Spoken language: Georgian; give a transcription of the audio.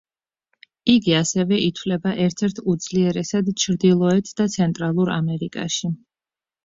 იგი ასევე ითვლება ერთ-ერთ უძლიერესად ჩრდილოეთ და ცენტრალურ ამერიკაში.